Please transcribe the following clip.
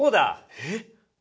えっ！？